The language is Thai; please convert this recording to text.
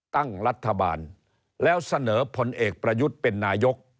ตั้งรัฐบาลแล้วเสนอผลเอกประยุทธ์เป็นนายก